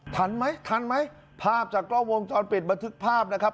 ทันไหมทันไหมภาพจากกล้องวงจรปิดบันทึกภาพนะครับ